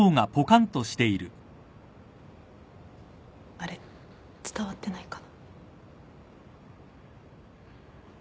あれっ伝わってないかな？